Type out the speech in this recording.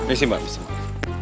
isi mbak isi mbak